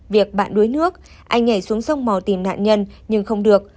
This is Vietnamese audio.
việc bạn đuối nước anh nhảy xuống sông mò tìm nạn nhân nhưng không được